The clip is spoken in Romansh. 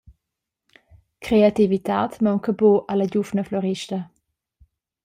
Creativitad maunca buc alla giuvna florista.